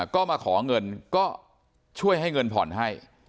ก็มาขอเงินก็ช่วยให้เงินผ่อนให้